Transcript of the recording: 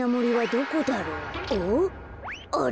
あれ？